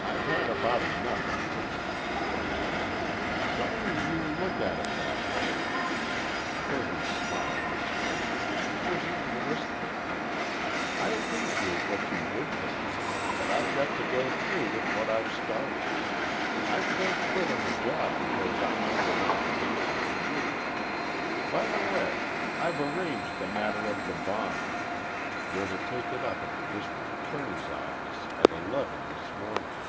I've had about enough of you." "Sorry you look at it that way." Kirby's smile was friendly. It was even wistful. "I appreciate what you did for me, but I've got to go through with what I've started. I can't quit on the job because I'm under an obligation to you. By the way, I've arranged the matter of the bond. We're to take it up at the district attorney's office at eleven this morning."